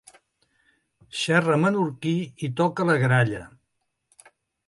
Xerra menorquí i toca la gralla.